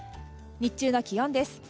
日中の気温です。